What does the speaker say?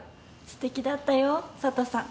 すてきだったよ佐都さん。